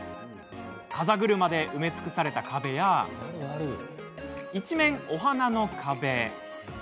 風車で埋め尽くされた壁や一面お花の壁。